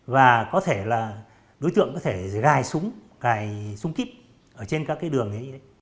và có thể là đối tượng có thể gài súng gài súng kíp ở trên các cái đường